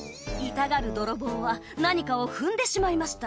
痛がる泥棒は何かを踏んでしまいました。